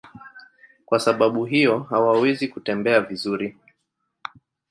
Kwa sababu hiyo hawawezi kutembea vizuri.